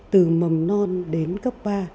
từ mầm non đến cấp ba